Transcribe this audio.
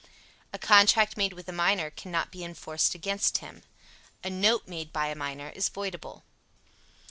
A contract made with a minor cannot be enforced against him. A note made by a minor is voidable.